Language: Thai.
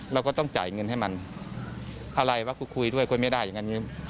เราก็ต้องจ่ายเงินให้มันอะไรวะกูคุยด้วยคุยไม่ได้อย่างนั้นอย่างนี้